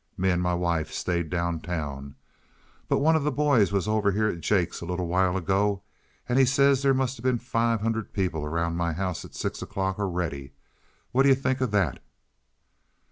Me and my wife stayed down town. But one of the boys was over here at Jake's a little while ago, and he says there must 'a' been five hundred people around my house at six o'clock, already. Whad ye think o' that?"